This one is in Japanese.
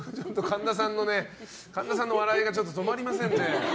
神田さんの笑いがちょっと止まりませんね。